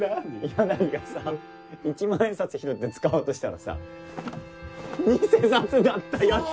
柳がさ１万円札拾って使おうとしたらさ偽札だったやつ。